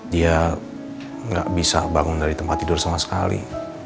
dia nggak bisa bangun dari tempat tidur sama sekali